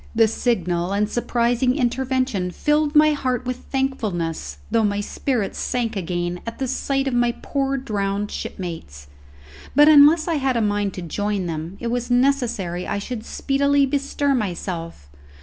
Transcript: This signal and surprising intervention filled my heart with thankfulness, though my spirits sank again at the sight of my poor drowned shipmates. But, unless I had a mind to join them, it was necessary I should speedily bestir myself.